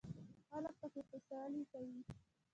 خلک پکې خوشحالي کوي.